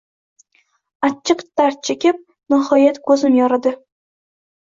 Achchiq dard chekib, nihoyat, ko`zim yoridi